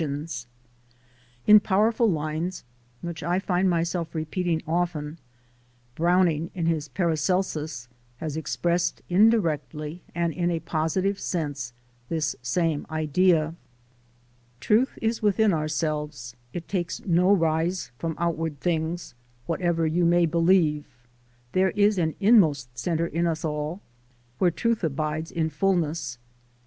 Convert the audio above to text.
In 284 THE SOUL OF AN IMMIGRANT powerful lines, which I find myself repeating often, Browning, in his "Paracelsus" has expressed, indi rectly and in a positive sense, this same idea : "Truth is within ourselves; it takes no rise From outward things, whate'er you may believe, There is an inmost center in us all, Where truth abides in fullness.